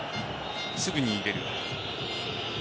すぐに入れる。